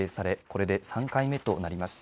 これで３回目となります。